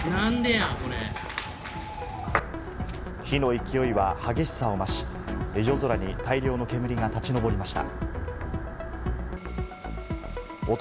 火の勢いは激しさを増し、夜空に大量の煙が立ちのぼりました。